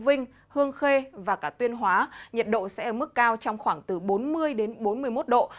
vinh hương khê và cả tuyên hóa nhiệt độ sẽ ở mức cao trong khoảng từ bốn mươi đến bốn mươi một độ